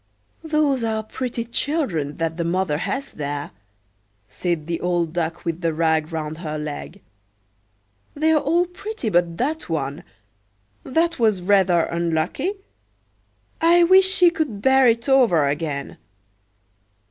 "Those are pretty children that the mother has there," said the old Duck with the rag round her leg. "They're all pretty but that one; that was rather unlucky. I wish she could bear it over again."